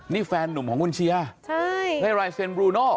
นี่แฟนหนุ่มของคุณเชียร์ได้ลายเซ็นบรูโน